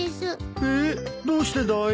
ええどうしてだい？